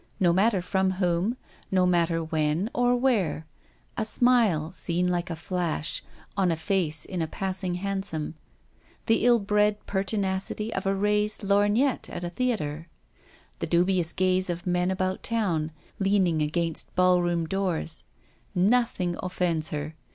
No matter from whom, no matter when or where. A smile, 46 THE STORY OF A MODERN WOMAN. seen like a flash, on a face in a passing han som ; the ill bred pertinacity of a raised lorg nette at a theatre ; the dubious gaze of men about town, leaning against ball room doors —nothing offends her.